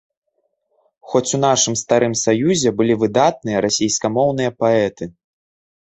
Хоць у нашым старым саюзе былі выдатныя расейскамоўныя паэты.